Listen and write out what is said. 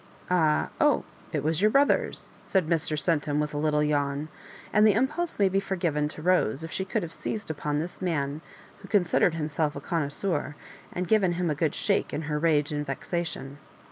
"Ah— oh — it was your brother's," said Mr. Ceutum, with a little yawn ; and the impulse may be forgiven to Rose if she could have seized upon this man who considered himself a connoisseur, and given him a good shake in her rage and vexation.